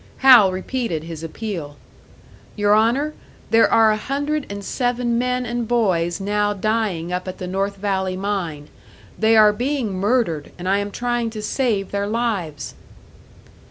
Hal repeated his appeal. "Your Honour, there are a hundred and seven men and boys now dying up at the North Valley mine. They are being murdered, and I am trying to save their lives!"